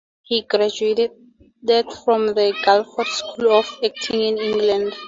He graduated from the Guildford School of Acting in England.